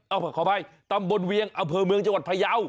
เอาขออภัยตำบลเวียงอำเภอเมืองจังหวัดพยาว